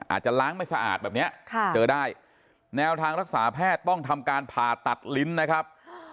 อาจจะล้างไม่สะอาดแบบนี้เจอได้แนวทางรักษาแพทย์ต้องทำการผ่าตัดลิ้นนะครับ